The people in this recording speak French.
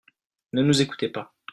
Ne nous écoutez pas.